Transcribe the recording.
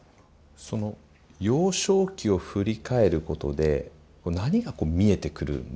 その幼少期を振り返ることで何が見えてくるんですか？